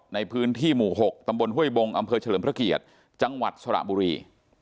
ในพื้นที่หมู่๖ตำบลห้วยบงอำเภอเฉลิมพระเกียรติจังหวัดสระบุรี